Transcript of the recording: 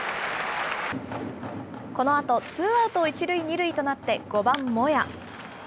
このあと、ツーアウト１塁２塁となって、５番モヤ。